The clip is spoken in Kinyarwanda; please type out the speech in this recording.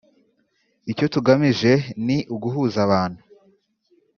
Icyo tugamije ni uguhuza abantu